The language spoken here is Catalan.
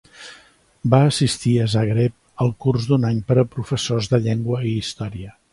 Va assistir a Zagreb al curs d'un any per a professors de llengua i història.